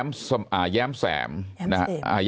มีความรู้สึกว่า